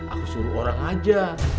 aku suruh orang aja